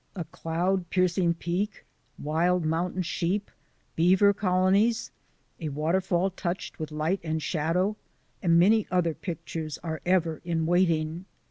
A cloud piercing peak, wild moun tain sheep, beaver colonies, a waterfall touched with light and shadow, and many other pictures are ever in waiting.